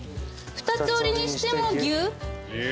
二つ折りにしてギュッ？